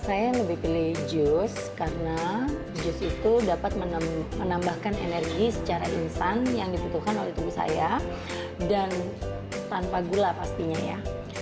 saya lebih pilih jus karena jus itu dapat menambahkan energi secara instan yang dibutuhkan oleh tubuh saya dan tanpa gula pastinya ya